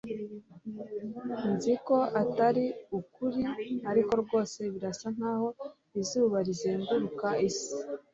Nzi ko atari ukuri ariko rwose birasa nkaho izuba rizenguruka isi